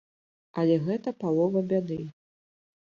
Але гэта палова бяды.